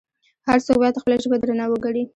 هر څوک باید خپله ژبه درنه وګڼي.